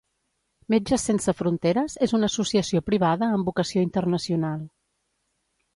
Metges Sense Fronteres és una associació privada amb vocació internacional.